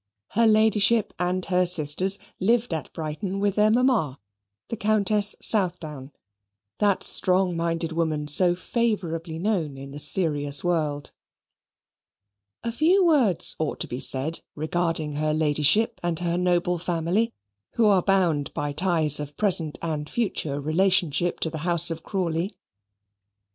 Her Ladyship and her sisters lived at Brighton with their mamma, the Countess Southdown, that strong minded woman so favourably known in the serious world. A few words ought to be said regarding her Ladyship and her noble family, who are bound by ties of present and future relationship to the house of Crawley.